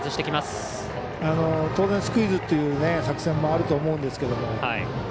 当然、スクイズという作戦もあると思うんですけど。